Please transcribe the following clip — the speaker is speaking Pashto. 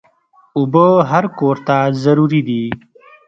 اوبه هر کور ته ضروري دي.